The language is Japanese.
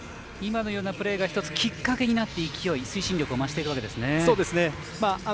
今のようなプレーが一つきっかけになって推進力を増していくわけですね。